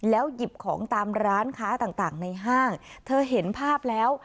หยิบของตามร้านค้าต่างในห้างเธอเห็นภาพแล้ว